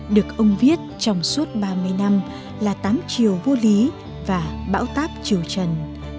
được ông viết trong suốt ba mươi năm là tám triều vô lý và bão táp triều trần